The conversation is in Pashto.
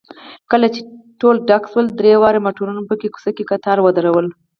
کله چې ټول ډک شول، درې واړه موټرونه مو په کوڅه کې کتار ودرول.